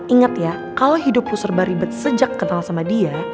ingat ya kalau hidupku serba ribet sejak kenal sama dia